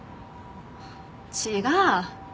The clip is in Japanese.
違う。